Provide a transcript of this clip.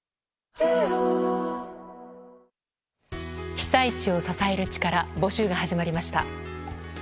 被災地を支える力募集が始まりました。